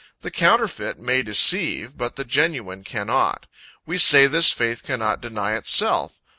The counterfeit may deceive, but the genuine cannot. We say this faith cannot deny itself.